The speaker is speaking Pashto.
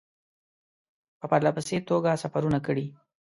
په پرله پسې توګه سفرونه کړي.